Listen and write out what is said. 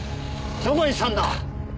どこへ行ってたんだ？